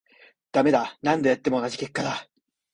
ダメだ、何度やっても同じ結果だ